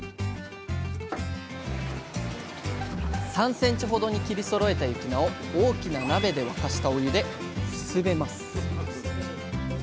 ３センチほどに切りそろえた雪菜を大きな鍋で沸かしたお湯で「ふすべ」ます